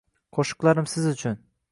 Qushiqlarim siz uchun